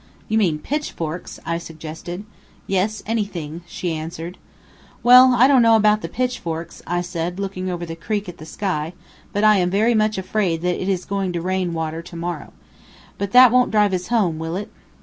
"You mean pitchforks," I suggested. "Yes, anything," she answered. "Well, I don't know about the pitchforks," I said, looking over the creek at the sky; "but am very much afraid that it is going to rain rain water to morrow. But that won't drive us home, will it?"